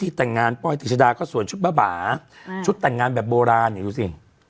พฤทธิษฐ์ต่างงานปล่อยติดชดาเข้าส่วนชุดบ้าชุดต่างงานแบบโบราณนิครู้สิ